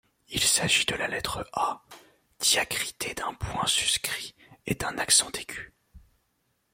Il s'agit de la lettre A diacritée d’un point suscrit et d'un accent aigu.